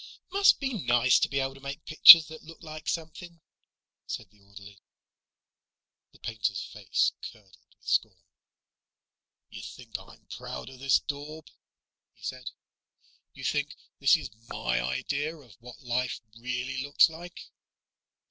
"Must be nice to be able to make pictures that look like something," said the orderly. The painter's face curdled with scorn. "You think I'm proud of this daub?" he said. "You think this is my idea of what life really looks like?"